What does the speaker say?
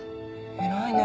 偉いね。